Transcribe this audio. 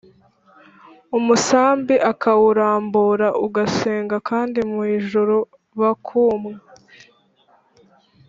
Umusambi akawurambura ugasenga kandi mu ijuru bakumwa